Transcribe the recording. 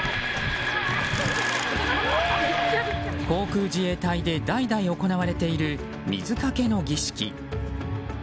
航空自衛隊で代々行われている水かけの儀式。